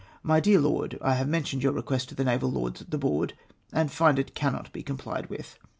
"My dear Lokd, — I have mentioned your request to the Naval Lords at the Board, and find it cannot be complied with.